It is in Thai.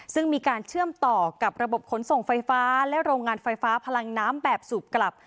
ซึ่งมีการเชื่อมต่อกับระบบขนส่งไฟฟ้าและโรงงานไฟฟ้าพลังน้ำแบบสูบกลับ